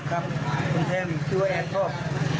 ครับคุณแท้มที่อ่างชอบ